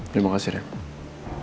terima kasih rem